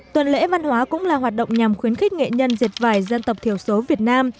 tuần lễ văn hóa cũng là hoạt động nhằm khuyến khích nghệ nhân diệt vải dân tộc thiểu số việt nam